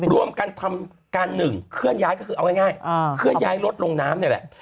ร่วมกันทำการหนึ่งเคลื่อนย้ายก็คือเอาง่ายเคลื่อนย้ายรถลงน้ำนี่แหละ